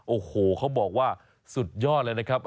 โอ้โหเขาบอกว่าสุดยอดเลยนะครับ